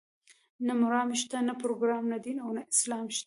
نه مرام شته، نه پروګرام، نه دین او نه اسلام شته.